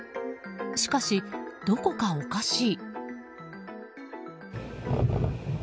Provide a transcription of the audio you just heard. しかし、どこかおかしい。